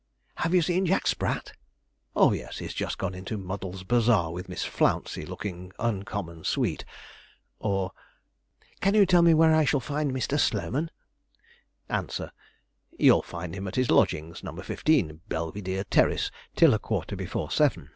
'Have you seen Jack Sprat?' 'Oh yes; he's just gone into Muddle's Bazaar with Miss Flouncey, looking uncommon sweet.' Or 'Can you tell me where I shall find Mr. Slowman?' Answer. 'You'll find him at his lodgings, No. 15, Belvidere Terrace, till a quarter before seven.